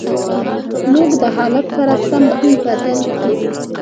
موږ د حالت سره سم خوی بدل کړو.